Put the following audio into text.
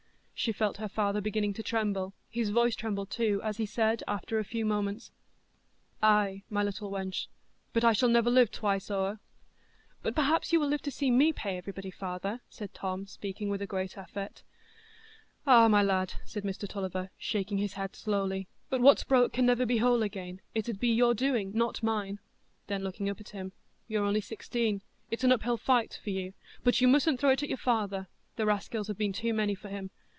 She felt her father beginning to tremble; his voice trembled too, as he said, after a few moments: "Ay, my little wench, but I shall never live twice o'er." "But perhaps you will live to see me pay everybody, father," said Tom, speaking with a great effort. "Ah, my lad," said Mr Tulliver, shaking his head slowly, "but what's broke can never be whole again; it 'ud be your doing, not mine." Then looking up at him, "You're only sixteen; it's an up hill fight for you, but you mustn't throw it at your father; the raskills have been too many for him.